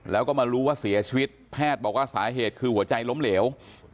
แล้วก็มารู้ว่าเสียชีวิตแพทย์บอกว่าสาเหตุคือหัวใจล้มเหลว